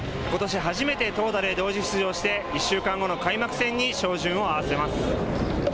ことし初めて投打で同時出場して、１週間後の開幕戦に照準を合わせます。